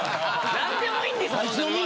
何でもいいんですよ。